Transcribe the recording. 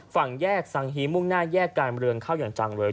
ฝั่งแยกสังฮีมุ่งหน้าแยกการเมืองเข้าอย่างจังเลย